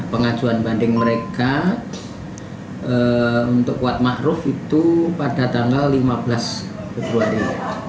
pengajuan banding mereka untuk kuatmahruf itu pada tanggal lima belas februari